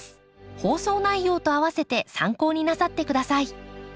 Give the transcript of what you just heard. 放送内容と併せて参考になさってください。